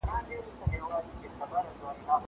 زه پرون نان خورم!!